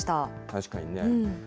確かにね。